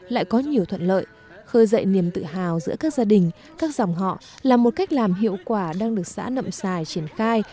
lại có nhiều thuận lợi khơi dậy niềm tự hào giữa các gia đình các dòng họ là một cách làm hiệu quả đang được xã nậm xài triển khai